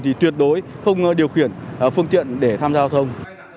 thì tuyệt đối không điều khiển phương tiện để tham gia giao thông